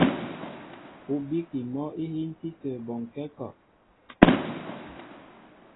Ú bíkí mɔ́ íhíntí tə̂ bɔnkɛ́ a kɔ.